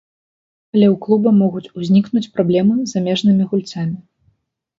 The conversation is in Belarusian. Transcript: Але ў клуба могуць узнікнуць праблемы з замежнымі гульцамі.